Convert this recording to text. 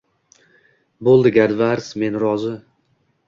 Bo`ldi, galvars, men rozi